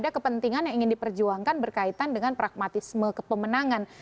ada kepentingan yang ingin diperjuangkan berkaitan dengan pragmatisme kepemenangan